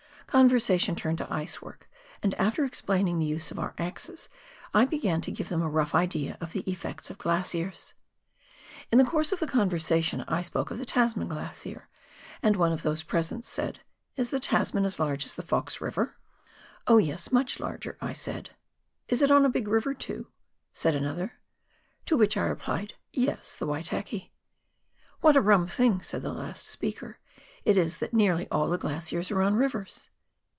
Conversation turned to ice work, and after explaining the use of our axes, I began to give them a rough idea of the effects of glaciers. In course of the conversation I spoke of the Tasman Glacier, and one of those present said, " Is the Tasman as large as the Fox Glacier ?" COOK RIVER — BALFOUR GLACIER. 97 " Oh yes, much larger," I said. " Is it on a big river, too ?" said another. To which I replied, " Yes, the Waitaki." " What a rum thing," said the last speaker, " it is that nearly all the glaciers are on rivers."